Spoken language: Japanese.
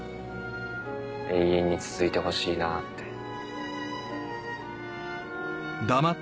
永遠に続いてほしいなって。